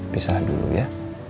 pisah dulu ya